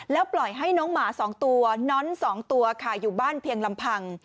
แล้วปล่อยให้น้องหมา๒ตัวน้อน๒ตัวค่ะอยู่บ้านเพียงลำพัง